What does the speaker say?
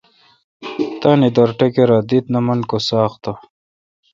تانی در ٹکرہ دی تہ نہ من کو تو ساق تہ